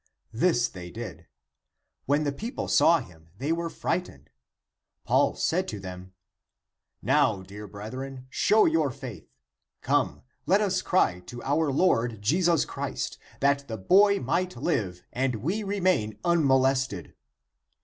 This they did. When the people saw him, they were frightened. Paul said to them, " Now, dear brethren, show your faith. Come, let us cry to our Lord Jesus Christ, that the boy might live and we remain unmolested."